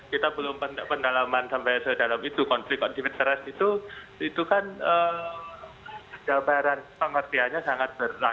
kita belum pendalaman sampai sedalam itu konflik of interest itu kan gambaran pengertiannya sangat berat